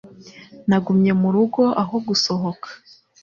Nagumye mu rugo aho gusohoka.